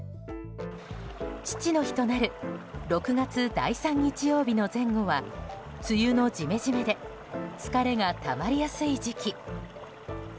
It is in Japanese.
父の日となる６月第３日曜日の前後は梅雨のジメジメで疲れがたまりやすい時期。